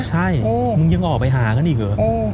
ใช่มึงยังออกไปหากันอีกเหรอ